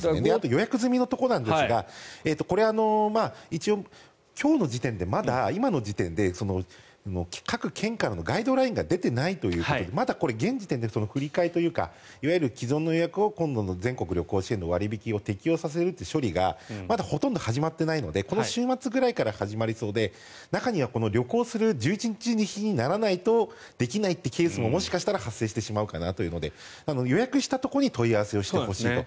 予約済みのところですが一応、今日の時点でまだ今の時点で各県からのガイドラインが出ていないということでまだ現時点で振り替えというか既存の予約を今度の全国旅行支援の割引を適用させるという処理がまだほとんど始まってないのでこの週末ぐらいから始まりそうで、中には旅行する１１日の日にならないとできないというケースももしかしたら発生するかもというところで予約したところに問い合わせをしてほしいと。